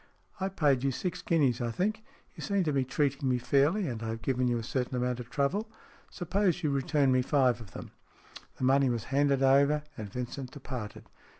I paid you six guineas, I think. You seem to be treating me fairly, and I have given you a certain amount of trouble. Supposing you return me five of them." The money was handed over, and Vincent departed.